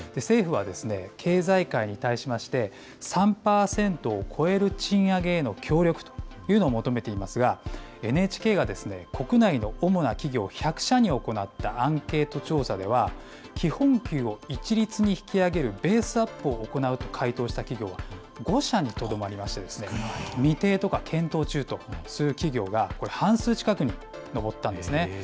政府は経済界に対しまして、３％を超える賃上げへの協力というのを求めていますが、ＮＨＫが国内の主な企業１００社に行ったアンケート調査では、基本給を一律に引き上げるベースアップを行うと回答した企業は５社にとどまりまして、未定とか検討中とする企業が、半数近くに上ったんですね。